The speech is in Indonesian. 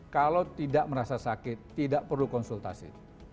kalau tidak merasa sakit tidak perlu konsultasi